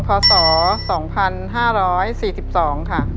เพราะสอ๒๕๔๒ค่ะ